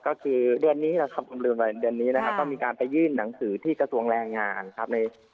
ก็คือเดือนนี้นะครับก็มีการไปยื่นหนังสือที่กระทรวงแรงงานครับ